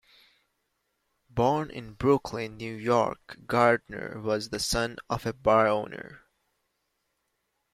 Born in Brooklyn, New York, Gardner was the son of a bar owner.